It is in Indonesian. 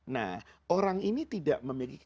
nah orang ini tidak memiliki